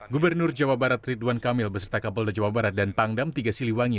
gubernur jawa barat ridwan kamil beserta kapolda jawa barat dan pangdam tiga siliwangi